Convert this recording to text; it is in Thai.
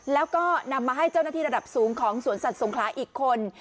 แล้วก็นำมาให้เจ้าหน้าที่ระดับสูงของสวนสัตว์สงคลาอีกคน